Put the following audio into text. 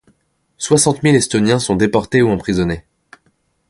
Soixante mille Estoniens sont déportés ou emprisonnés.